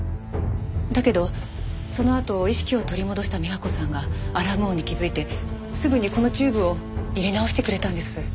だけどそのあと意識を取り戻した美和子さんがアラーム音に気づいてすぐにこのチューブを入れ直してくれたんです。